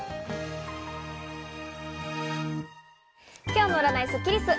今日の占いスッキリす。